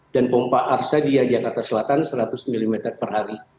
dan pompa arsadia jakarta selatan seratus mm per hari